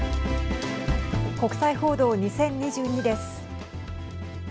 国際報道２０２２です。